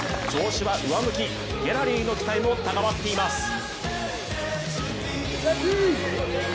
調子は上向き、ギャラリーの期待も高まっています。